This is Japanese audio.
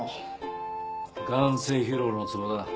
眼精疲労のツボだ。